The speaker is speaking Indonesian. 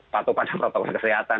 patuh pada protokol kesehatan